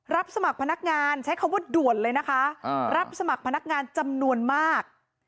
รับสมัครพนักงานใช้คำว่าด่วนเลยนะคะรับสมัครพนักงานจำนวนมาก